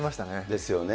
ですよね。